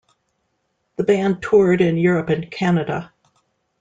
The band toured in Europe and Canada.